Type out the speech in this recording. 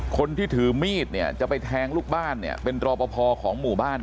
คนที่ถือมีดจะไปแทงลูกบ้านเป็นรอปภอของหมู่บ้าน